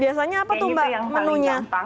biasanya apa tuh mbak menunya